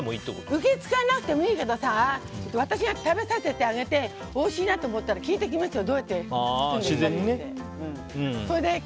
受け継がなくてもいいけどさ私が食べさせてあげておいしいなと思ったら聞いてきますよ。